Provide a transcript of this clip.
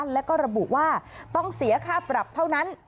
แล้วก็ระบุว่าต้องเสียค่าปรับเท่านั้น